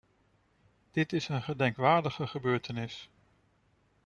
Dit is een gedenkwaardige gebeurtenis.